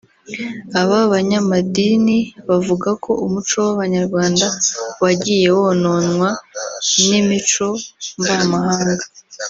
Aba banyamadini bavuga ko umuco w’Abanyarwanda wagiye wononwa n’imico mvamahanga